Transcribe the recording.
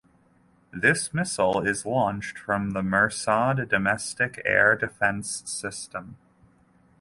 This missile is launched from the Mersad domestic air defense system.